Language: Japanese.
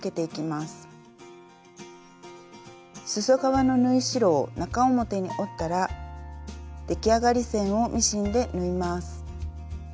すそ側の縫い代を中表に折ったら出来上がり線をミシンで縫います。